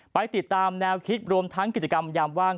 ไปติดตามแนวคิดรวมทั้งกิจกรรมยามว่าง